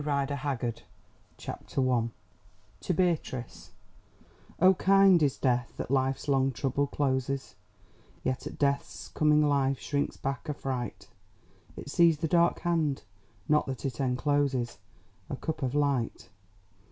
THE DUCHESS'S BALL TO BEATRICE "Oh, kind is Death that Life's long trouble closes, Yet at Death's coming Life shrinks back affright; It sees the dark hand,—not that it encloses A cup of light.